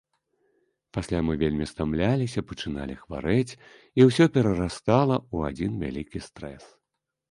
Пасля мы вельмі стамляліся, пачыналі хварэць, і ўсё перарастала ў адзін вялікі стрэс.